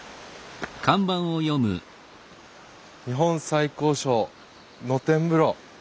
「日本最高所野天風呂」。